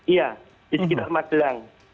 iya di sekitar magelang